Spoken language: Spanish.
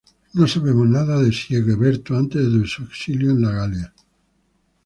No sabemos nada de Sigeberto antes de su exilio en la Galia.